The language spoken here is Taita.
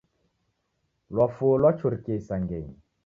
Lwafuo lwachurikie isangenyi.